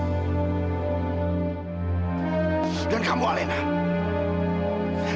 jangan pernah mempermainkan orang tua